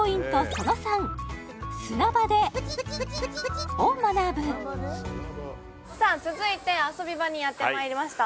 その３さあ続いて遊び場にやってまいりました